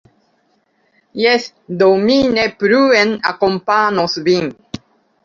Jes, do mi ne pluen akompanos vin.